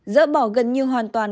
dỡ bỏ gần như hoàn toàn